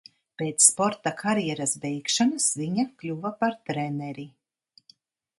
Pēc sporta karjeras beigšanas viņa kļuva par treneri.